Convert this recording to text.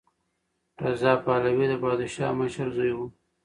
رضا پهلوي د پادشاه مشر زوی و.